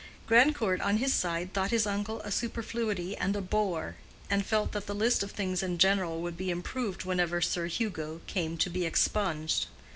Grandcourt, on his side, thought his uncle a superfluity and a bore, and felt that the list of things in general would be improved whenever Sir Hugo came to be expunged.